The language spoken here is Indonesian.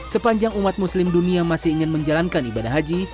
sepanjang umat muslim dunia masih ingin menjalankan ibadah haji